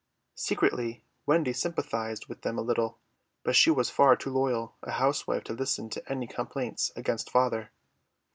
Secretly Wendy sympathised with them a little, but she was far too loyal a housewife to listen to any complaints against father.